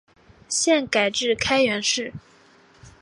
现改置开原市。